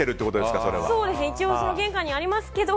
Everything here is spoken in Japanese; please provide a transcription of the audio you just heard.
一応、玄関にありますけど。